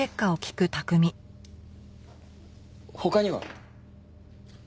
他には？